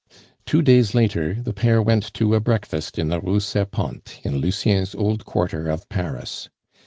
Two days later, the pair went to a breakfast in the Rue Serpente, in Lucien's old quarter of Paris.